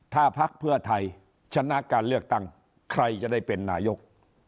ถ้าพักเพื่อไทยชนะการเลือกตั้งใครจะได้เป็นนายก